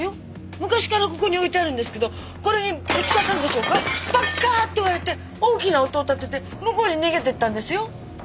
昔からここに置いてあるんですけどこれにぶつかったんでしょうかパッカー！って割れて大きな音を立てて向こうに逃げていったんですよ。